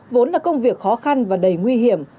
vốn là công việc khó khăn và đầy nguy hiểm